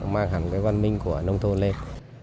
mang hẳn cái văn minh của nông thôn lên